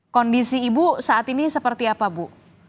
kondisi ibu saat ini seperti apa bu